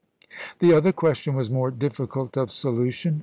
The other question was more difficult of solution.